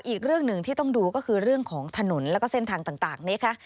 อีกเรื่องหนึ่งที่ต้องดูก็คือเรื่องของถนนแล้วก็เส้นทางต่างนี้ค่ะ